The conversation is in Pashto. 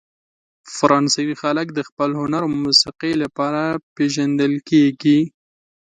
فرانسوي خلک د خپل هنر او موسیقۍ لپاره پېژندل کیږي.